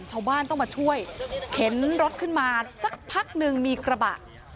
ชาวบ้านต้องมาช่วยเข็นรถขึ้นมาสักพักหนึ่งมีกระบะ